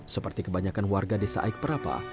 seperti kebanyakan warga desa aiprapa